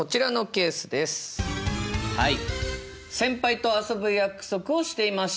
はい。